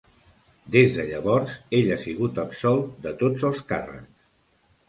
Des de llavors, ell ha sigut absolt de tots els càrrecs.